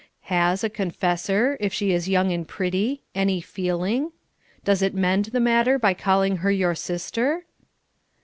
Has a confessor, if she is young and pretty, any feeling? Does it mend the matter by calling her your sister?